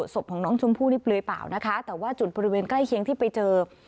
ศพของน้องชมพู่นี่เปลือยเปล่านะคะแต่ว่าจุดบริเวณใกล้เคียงที่ไปเจอ